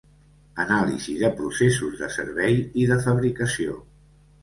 Anàlisi de processos de servei i de fabricació.